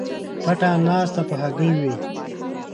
پټه ناسته په هګۍ وای